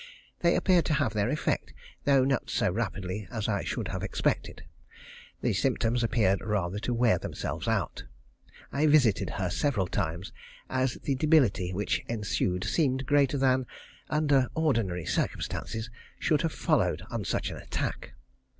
They appeared to have their effect, though not so rapidly as I should have expected. The symptoms appeared rather to wear themselves out. I visited her several times, as the debility which ensued seemed greater than, under ordinary circumstances, should have followed on such an attack.